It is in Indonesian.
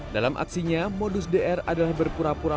dalam aksinya modus dr adalah berpura pura